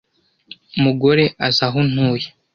mugore azi aho ntuye.